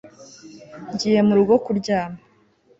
ngiye murugo kuryama